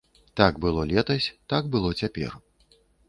Так было летась, так было цяпер.